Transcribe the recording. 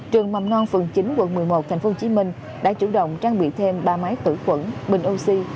trường mầm non phường chín quận một mươi một tp hcm đã chủ động trang bị thêm ba máy tử khuẩn bình oxy